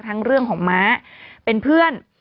เรื่องของม้าเป็นเพื่อน